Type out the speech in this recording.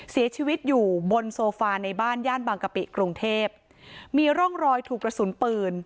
เสียชีวิตอยู่บนโซฟาในบ้านย่านบางกะปิกรุงเทพมีร่องรอยถูกกระสุนปืน